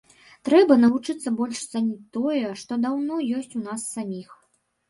Трэба навучыцца больш цаніць тое, што даўно ёсць у нас саміх.